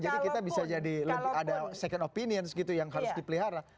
jadi kita bisa jadi ada second opinion gitu yang harus dipelihara